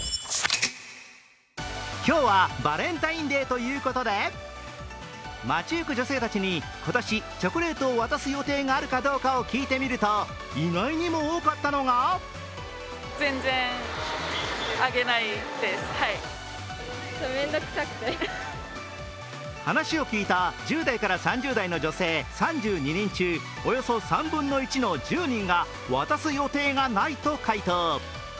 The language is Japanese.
今日はバレンタインデーということで、街ゆく女性たちに今年、チョコレートを渡す予定があるかどうかを聞いてみると意外にも多かったのが話を聞いた１０代から３０代の女性３２人中、およそ３分の１の１０人が渡す予定がないと回答。